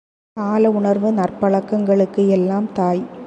கால உணர்வு நற்பழக்கங்களுக்கு எல்லாம் தாய்.